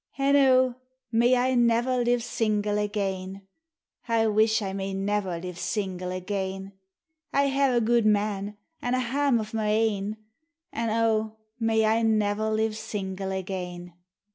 An' O! may I never live single again, I wish 1 may never live single again; I hae a gudeman, an' a hame o' my a in, An ()! may I never live single again.